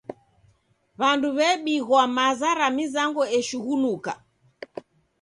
W'andu w'ebighwa maza ra mizango eshughunuka.